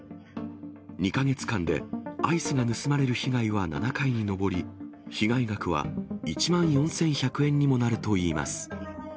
２か月間でアイスが盗まれる被害は７回に上り、被害額は１万４１００円にもなるといいます。